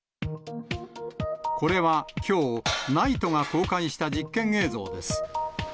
これはきょう、ＮＩＴＥが公開した実験映像です。